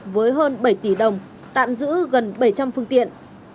với hơn bảy tỷ đồng tạm giữ gần bảy trăm linh phương tiện